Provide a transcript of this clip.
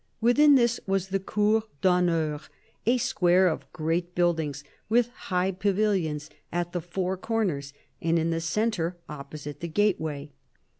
Within this was the cour dhonneur, a square of great buildings, with high pavilions at the four corners and in the centre opposite the gateway.